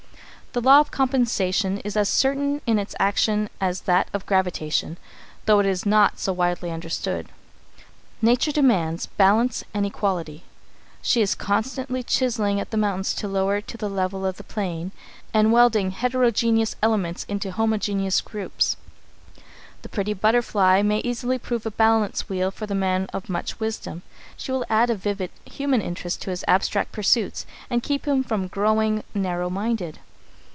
The law of compensation is as certain in its action as that of gravitation, though it is not so widely understood. Nature demands balance and equality. She is constantly chiselling at the mountain to lower it to the level of the plain, and welding heterogeneous elements into homogeneous groups. [Sidenote: The Certain Instinct] The pretty butterfly may easily prove a balance wheel to the man of much wisdom. She will add a vivid human interest to his abstract pursuits and keep him from growing narrow minded.